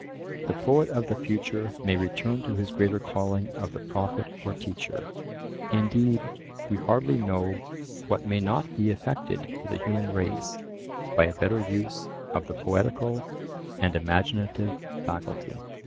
The poet of the future may return to his greater calling of the prophet or teacher; indeed, we hardly know what may not be effected for the human race by a better use of the poetical and imaginative faculty.